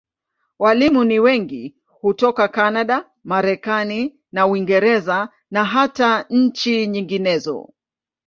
Walimu ni wengi hutoka Kanada, Marekani na Uingereza, na hata nchi nyinginezo.